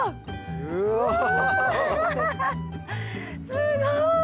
すごい！